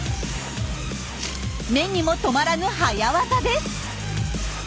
目にも留まらぬ早業です。